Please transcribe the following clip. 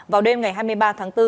vào đêm ngày hai mươi ba tháng bốn